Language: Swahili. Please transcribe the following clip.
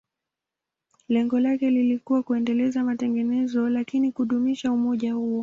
Lengo lake lilikuwa kuendeleza matengenezo, lakini pia kudumisha umoja huo.